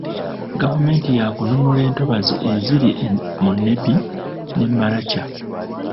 Gavumenti yaakununula ntobazi eziri mu Nebbi ne Maracha.